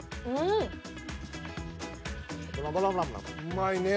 うまいね。